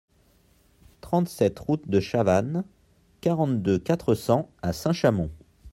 trente-sept route de Chavanne, quarante-deux, quatre cents à Saint-Chamond